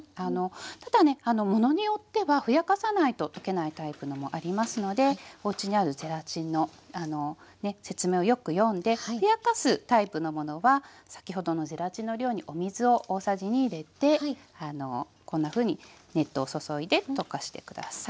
ただねものによってはふやかさないと溶けないタイプのもありますのでおうちにあるゼラチンの説明をよく読んでふやかすタイプのものは先ほどのゼラチンの量にお水を大さじ２入れてこんなふうに熱湯を注いで溶かして下さい。